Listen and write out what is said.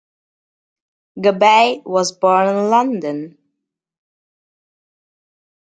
Gubbay was born in London.